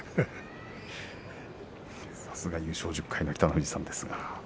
さすが優勝１０回の北の富士さんですが。